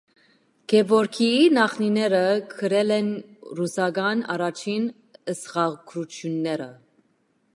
Գեորգիի նախնիները գրել են ռուսական առաջին սղագրությունները։